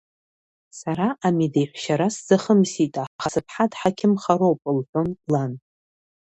Сара амедеҳәшьара сзахымсит, аха сыԥҳа дҳақьымхароуп, — лҳәон лан.